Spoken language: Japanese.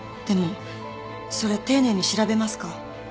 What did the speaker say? でもそれ丁寧に調べますか？